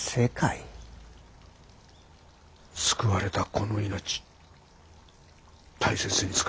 救われたこの命大切に使います。